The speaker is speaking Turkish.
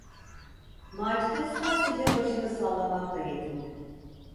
Macide sadece başını sallamakla yetindi.